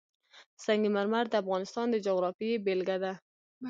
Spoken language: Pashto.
سنگ مرمر د افغانستان د جغرافیې بېلګه ده.